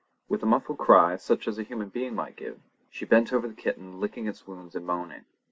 With a muffled cry, such as a human being might give, she bent over the kitten licking its wounds and moaning.